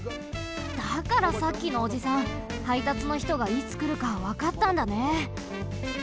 だからさっきのおじさんはいたつのひとがいつくるかわかったんだね。